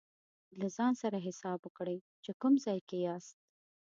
له ځان سره حساب وکړئ چې کوم ځای کې یاست.